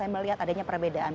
saya melihat adanya perbedaan